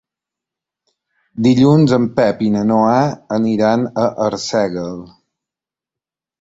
Dilluns en Pep i na Noa iran a Arsèguel.